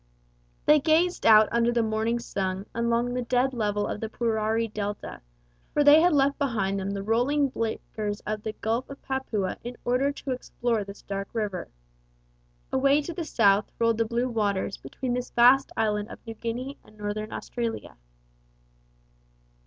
They gazed out under the morning sun along the dead level of the Purari delta, for they had left behind them the rolling breakers of the Gulf of Papua in order to explore this dark river. Away to the south rolled the blue waters between this vast island of New Guinea and Northern Australia.